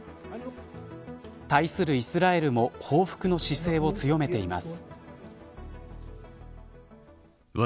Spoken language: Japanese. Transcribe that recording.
対するイスラエルも報復の姿勢を強めています。